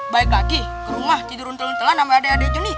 balik lagi ke rumah tidur untel untelan sama adik adik joni